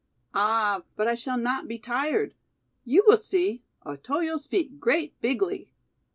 "Ah, but I shall not be tired. You will see. Otoyo's feet great bigly."